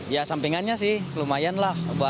ya sampingannya sih lumayan lah